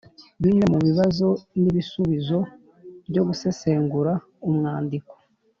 Bimwe mu bibazo n’ibisubizo byo gusesengura umwandiko.